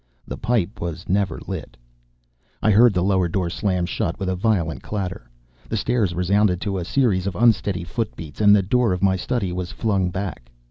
The pipe was never lit. I heard the lower door slam shut with a violent clatter. The stairs resounded to a series of unsteady footbeats, and the door of my study was flung back.